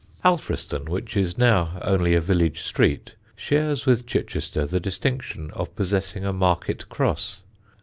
Alfriston, which is now only a village street, shares with Chichester the distinction of possessing a market cross.